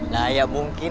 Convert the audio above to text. nah ya mungkin